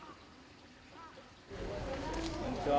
こんにちは。